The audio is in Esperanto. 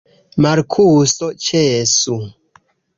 Markuso, ĉesu!